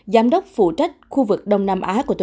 giám đốc phụ trách khu vực đông nam á của trung quốc